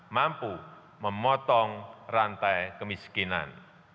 mampu memotong rantai kemiskinan